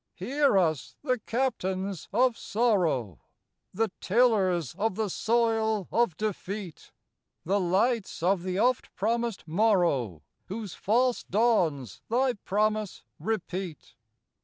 Hear us the Captains of Sorrow,— The tillers of the soil of defeat,— The lights of the oft promised morrow, Whose false dawns thy promise repeat.